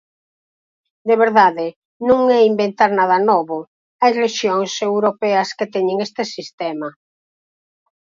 De verdade, non é inventar nada novo, hai rexións europeas que teñen este sistema.